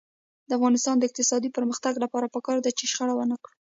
د افغانستان د اقتصادي پرمختګ لپاره پکار ده چې شخړه ونکړو.